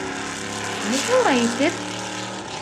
Ҡайһылай итеп?